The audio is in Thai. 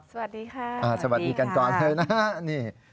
สวัสดีค่ะสวัสดีค่ะสวัสดีกันก่อนเลยนะ